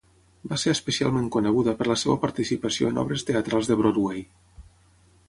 Va ser especialment coneguda per la seva participació en obres teatrals de Broadway.